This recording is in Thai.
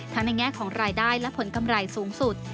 ในแง่ของรายได้และผลกำไรสูงสุด